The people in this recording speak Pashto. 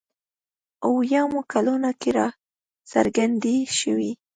اویایمو کلونو کې راڅرګندې شوې.